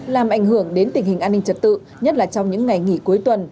làm ảnh hưởng đến tình hình an ninh trật tự nhất là trong những ngày nghỉ cuối tuần